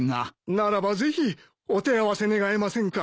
ならばぜひお手合わせ願えませんか。